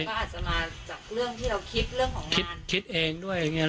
ก็อาจจะมาจากเรื่องที่เราคิดเรื่องของคิดคิดเองด้วยอย่างเงี้